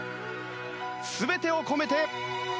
全てを込めて。